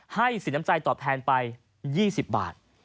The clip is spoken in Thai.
ให้สินตำราชาตอบแทนไป๒๐บาท